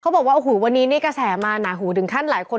เขาบอกว่าหูวันนี้นี่กระแสมาอย่างหน่าหูถึงค่านหลายคน